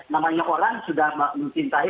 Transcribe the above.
namanya orang sudah mencintai